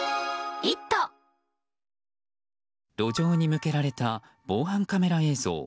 路上に向けられた防犯カメラ映像。